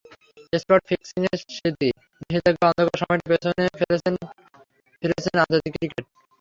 Spot ফিক্সিংয়ের স্মৃতি, নিষেধাজ্ঞার অন্ধকার সময়টা পেছনে ফেলে ফিরেছেন আন্তর্জাতিক ক্রিকেটে।